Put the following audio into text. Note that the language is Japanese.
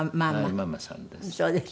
ママさんです。